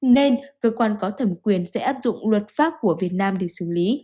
nên cơ quan có thẩm quyền sẽ áp dụng luật pháp của việt nam để xử lý